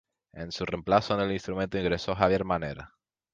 En su reemplazo en el instrumento ingresó Javier Manera.